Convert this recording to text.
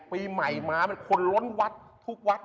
ปีใหม่ม้ามันคนล้นวัดทุกวัด